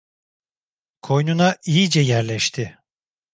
Koynuna iyice yerleşti.